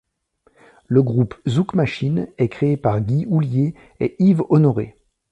Le groupe Zouk Machine est créé par Guy Houllier et Yves Honoré.